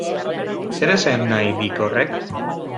Zer esan nahi dik horrek?